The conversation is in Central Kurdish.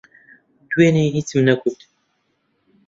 دوێنێ، ھیچم نەگوت.